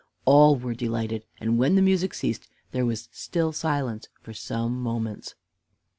All were delighted, and when the music ceased there was still silence for some moments.